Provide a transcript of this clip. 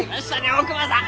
大窪さん！